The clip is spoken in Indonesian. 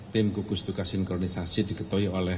tim kukus tugas sinkronisasi di ketoyotongan